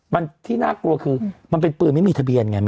มันที่น่ากลัวคือมันเป็นปืนไม่มีทะเบียนไง